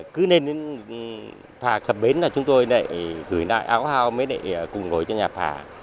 cứ lên đến phà cập bến là chúng tôi lại gửi lại áo phao mới lại cục nổi cho nhà phà